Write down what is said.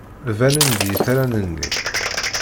Banen-d yitran-nni.